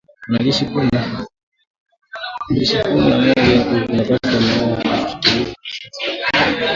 Wanajeshi kumi na mmoja wa Burkina Faso wameuawa na washambulizi wenye silaha